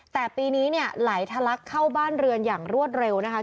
แต่ปีนี้เนี่ยไหลทะลักเข้าบ้านเรือนอย่างรวดเร็วนะคะ